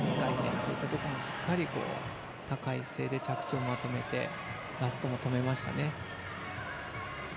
こういったところも高い姿勢で着地をまとめてラストも止めましたね。